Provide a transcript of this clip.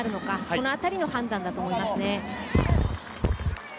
この辺りの判断だと思いますね。